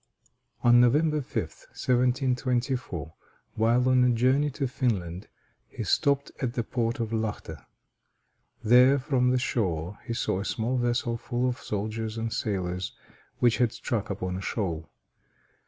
On November 5, 1724, while on a journey to Finland, he stopped at the port of Lachta. There, from the shore, he saw a small vessel full of soldiers and sailors which had struck upon a shoal.